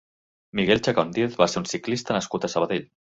Miguel Chacón Diez va ser un ciclista nascut a Sabadell.